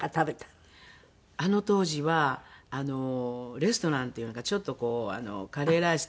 あの当時はレストランっていうのがちょっとこうカレーライスとか。